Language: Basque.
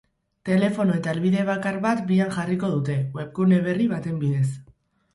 Telefono eta helbide bakar bat bian jarriko dute, webgune berri baten bidez.